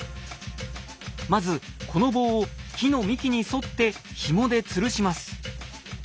まずこの棒を木の幹に沿ってひもでつるします。